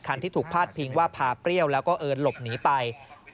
ที่ถูกพาดพิงว่าพาเปรี้ยวแล้วก็เอิญหลบหนีไป